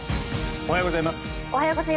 おはようございます。